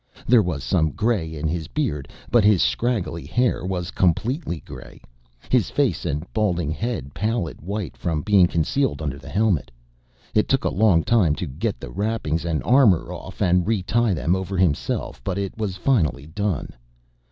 There was some gray in his beard, but his scraggly hair was completely gray, his face and balding head pallid white from being concealed under the helmet. It took a long time to get the wrappings and armor off and retie them over himself, but it was finally done.